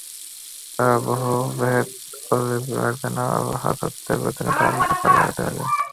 তারা ব্যুহ ভেদ করতে লাগলেন আর আল্লাহর শত্রুদের গর্দানে তরবারীকে কাজে লাগাতে লাগলেন।